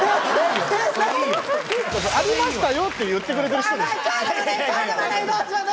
ありましたよって言ってくれてる人に。